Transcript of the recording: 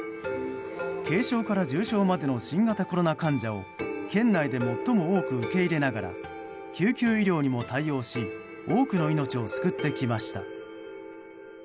軽症から重症までの新型コロナ患者を県内で最も多く受け入れながら救急医療にも対応し多くの命を救ってきました。